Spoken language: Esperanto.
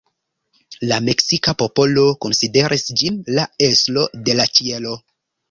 La meksika popolo konsideris ĝin la estro de la ĉielo.